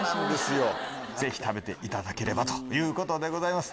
ぜひ食べていただければということでございます。